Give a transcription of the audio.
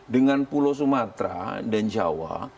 dengan pulau sumatera dan jawa